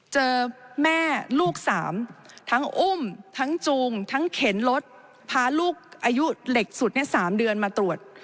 เจอแม่ลูกสามทั้งอุ้มทั้งจูงทั้งเข็นรถพาลูกอายุเหล็กสุด๓เดือนมาตรวจ